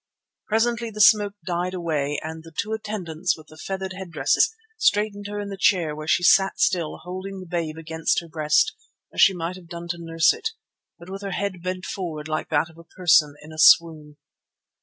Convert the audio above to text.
Presently the smoke died away and the two attendants with the feathered head dresses straightened her in the chair where she sat still holding the babe against her breast as she might have done to nurse it, but with her head bent forward like that of a person in a swoon.